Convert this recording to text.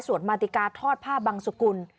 มาติกาทอดผ้าบังสุกุล